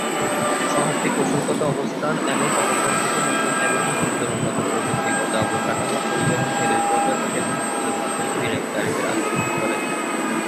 শহরটি কৌশলগত অবস্থান এবং অপেক্ষাকৃত নতুন এবং উচ্চতর উন্নত প্রযুক্তিগত অবকাঠামো পরিবহন, টেলিযোগাযোগ এবং বিদ্যুতের মাধ্যমে বিনিয়োগকারীদের আকর্ষণ করেছে।